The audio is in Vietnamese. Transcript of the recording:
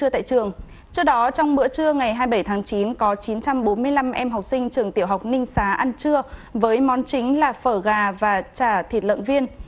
trước đó trong bữa trưa ngày hai mươi bảy tháng chín có chín trăm bốn mươi năm em học sinh trường tiểu học ninh xá ăn trưa với món chính là phở gà và chả thịt lợn viên